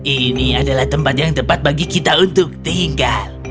ini adalah tempat yang tepat bagi kita untuk tinggal